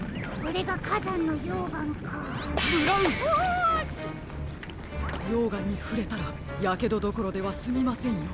ようがんにふれたらやけどどころではすみませんよ。